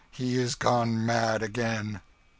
He is gone mad again!"